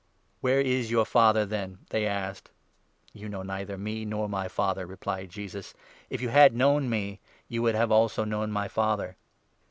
"Where is your father, then ?" they asked. 19 "You know neither me nor my Father," replied Jesus. " If you had known me, you would have also known my Father."